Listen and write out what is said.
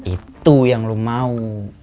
itu yang lo mau